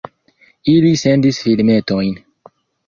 Ili sendis filmetojn.